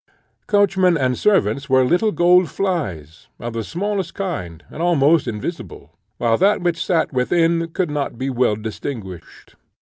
Coachmen and servants were little gold flies, of the smallest kind and almost invisible; while that, which sate within, could not be well distinguished.